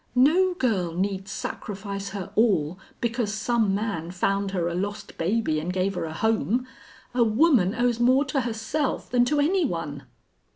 No girl need sacrifice her all because some man found her a lost baby and gave her a home. A woman owes more to herself than to any one."